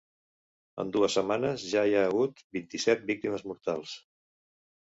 En dues setmanes ja hi ha hagut vint-i-set víctimes mortals.